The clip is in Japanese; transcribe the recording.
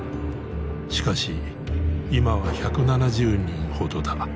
しかし今は１７０人ほどだ。